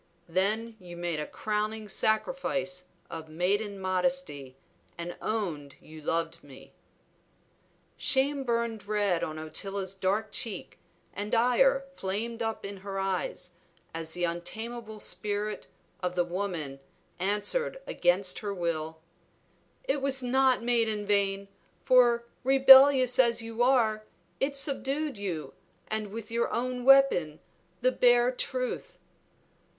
Then you made a crowning sacrifice of maiden modesty and owned you loved me." Shame burned red on Ottila's dark cheek, and ire flamed up in her eyes, as the untamable spirit of the woman answered against her will "It was not made in vain; for, rebellious as you are, it subdued you, and with your own weapon, the bare truth."